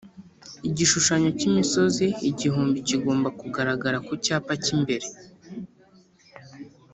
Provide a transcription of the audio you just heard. Igishushanyo cy’ imisozi igihumbi kigomba kugaragara ku cyapa cy’imbere